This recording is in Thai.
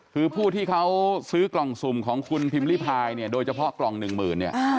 คือผู้ที่เขาซื้อกล่องสุ่มของคุณพิมพิพายเนี่ยโดยเฉพาะกล่องหนึ่งหมื่นเนี่ย